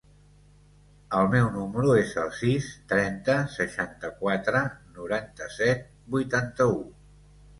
El meu número es el sis, trenta, seixanta-quatre, noranta-set, vuitanta-u.